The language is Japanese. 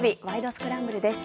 スクランブル」です。